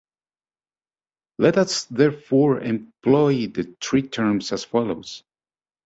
Let us therefore employ the three terms as follows.